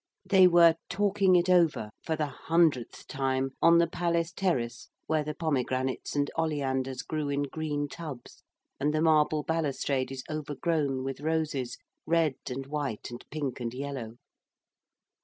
They were 'talking it over' for the hundredth time on the palace terrace where the pomegranates and oleanders grew in green tubs and the marble balustrade is overgrown with roses, red and white and pink and yellow.